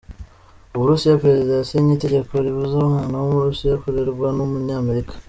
U Burusiya Perezida yasinye itegeko ribuza umwana w’Umurusiya kurerwa n’Umunyamerika